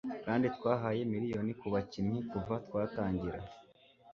kandi twahaye miliyoni ku bakinnyi kuva twatangira